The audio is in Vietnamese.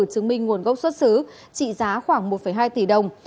chứng minh nguồn gốc xuất xứ trị giá khoảng một hai tỷ đồng